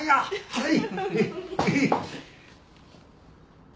はい。